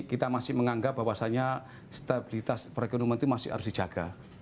kita masih menganggap bahwasannya stabilitas perekonomian itu masih harus dijaga